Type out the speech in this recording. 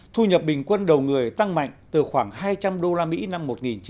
thu nhập bình quân đầu người tăng mạnh từ khoảng hai trăm linh usd năm một nghìn chín trăm bảy mươi